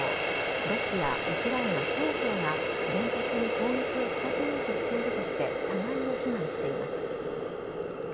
ロシア、ウクライナ双方が原発に攻撃を仕掛けようとしているとして互いを非難しています。